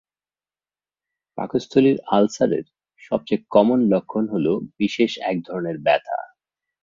পাকস্থলীর আলসারের সবচেয়ে কমন লক্ষণ হলো বিশেষ এক ধরনের ব্যথা।